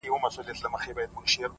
اې د قوتي زلفو مېرمني در نه ځمه سهار ـ